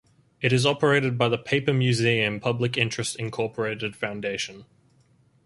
It is operated by the Paper Museum Public Interest Incorporated Foundation.